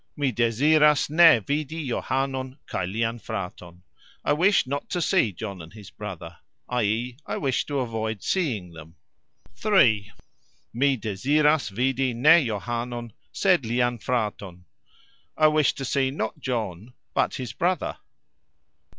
"Mi deziras ne vidi Johanon kaj lian fraton", I wish not to see John and his brother, "i.e.", I wish to avoid seeing them. (iii.). "Mi deziras vidi ne Johanon, sed lian fraton", I wish to see not John, but his brother.